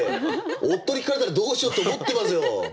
夫に聞かれたらどうしようと思ってますよ！